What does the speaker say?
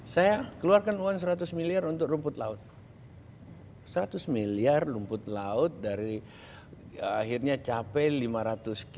saya keluarkan uang seratus miliar untuk rumput laut hai seratus miliar rumput laut dari akhirnya capek